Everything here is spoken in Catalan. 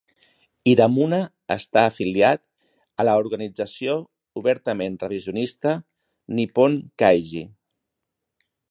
Hiranuma està afiliat a l'organització obertament revisionista Nippon Kaigi.